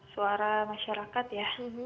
suara masyarakat ya